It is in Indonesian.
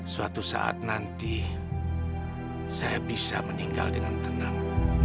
suatu saat nanti saya bisa meninggal dengan tenang